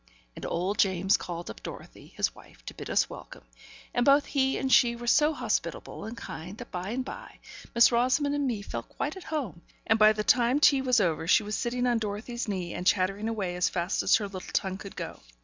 And old James called up Dorothy, his wife, to bid us welcome; and both he and she were so hospitable and kind, that by and by Miss Rosamond and me felt quite at home; and by the time tea was over, she was sitting on Dorothy's knee, and chattering away as fast as her little tongue could go.